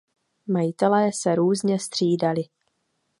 Majitelé se různě střídali.